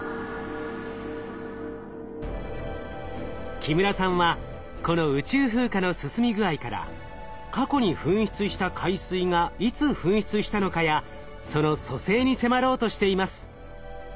木村さんはこの宇宙風化の進み具合から過去に噴出した海水がいつ噴出したのかやその組成に迫ろうとしています。